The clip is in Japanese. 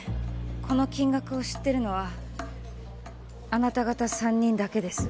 この金額を知ってるのはあなた方三人だけです